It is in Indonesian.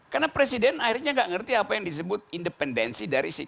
karena presiden akhirnya gak ngerti apa yang disebut independensi di indonesia